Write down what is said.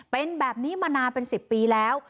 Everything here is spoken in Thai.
เป็นแบบนี้มานานเป็น๑๐ปีแล้ว